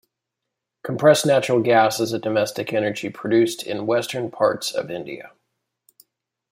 Compressed Natural Gas is a domestic energy produced in Western parts of India.